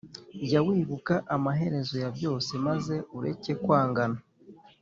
Jya wibuka amaherezo ya byose, maze ureke kwangana;